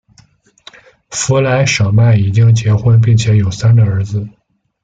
弗莱舍曼已经结婚并且有三个儿子。